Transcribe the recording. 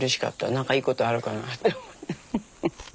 何かいいことあるかなと思って。